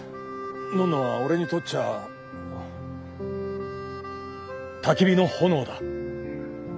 のんのは俺にとっちゃあのたき火の炎だ。